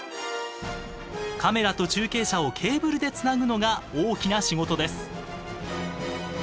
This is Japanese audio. カメラと中継車をケーブルでつなぐのが大きな仕事です。